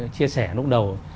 chia sẻ lúc đầu